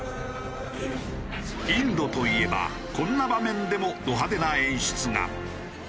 インドといえばこんな場面でもド派手な演出が。